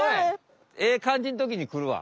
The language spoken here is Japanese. ええ感じんときにくるわ。